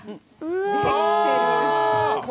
できてる。